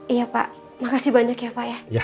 iya pak makasih banyak ya pak ya